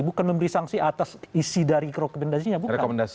bukan memberi sanksi atas isi dari rekomendasinya bukan